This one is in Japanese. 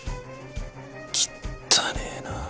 きったねえなぁ。